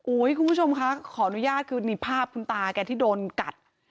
คุณผู้ชมคะขออนุญาตคือนี่ภาพคุณตาแกที่โดนกัด